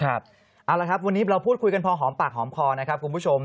เอาละครับวันนี้เราพูดคุยกันพอหอมปากหอมคอนะครับคุณผู้ชม